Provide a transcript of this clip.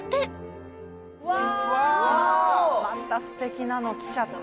またステキなの来ちゃった？